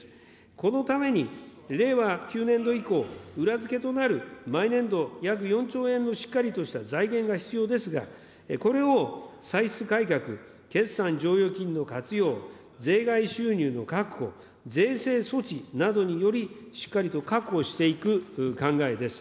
このために、令和９年度以降、裏付けとなる毎年度約４兆円のしっかりとした財源が必要ですが、これを歳出改革、決算剰余金の活用、税外収入の確保、税制措置などにより、しっかりと確保していく考えです。